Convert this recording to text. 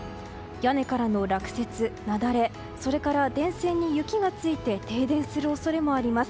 屋根からの落雪、雪崩それから電線に雪がついて停電する恐れもあります。